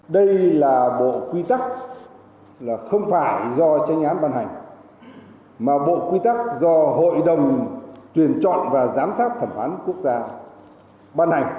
đây là bộ quy tắc là không phải do tranh án ban hành mà bộ quy tắc do hội đồng tuyển chọn và giám sát thẩm phán quốc gia ban hành